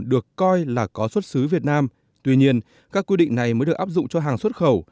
được coi là có xuất xứ việt nam tuy nhiên các quy định này mới được áp dụng cho hàng xuất khẩu